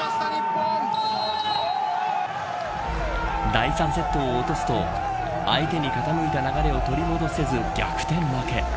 第３セットを落とすと相手に傾いた流れを取り戻せず逆転負け。